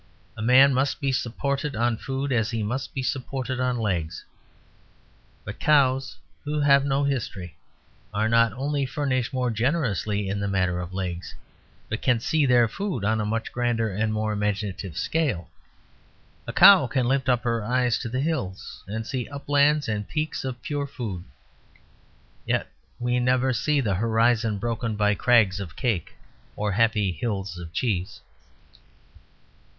A man must be supported on food as he must be supported on legs. But cows (who have no history) are not only furnished more generously in the matter of legs, but can see their food on a much grander and more imaginative scale. A cow can lift up her eyes to the hills and see uplands and peaks of pure food. Yet we never see the horizon broken by crags of cake or happy hills of cheese.